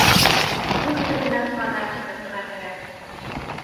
— Күҙ төбөнә фонарь ултыртырға кәрәк!